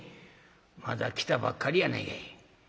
まだ来たばっかりやないか。